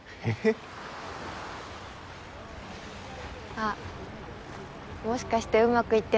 あっもしかしてうまくいってないんだ。